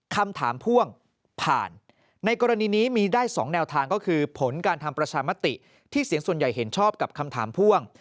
คำถามพ่วงผ่านในกรณีนี้มีได้๒แนวทางก็คือผลการทำประชามติที่เสียงส่วนใหญ่เห็นชอบกับคำถามพ่วง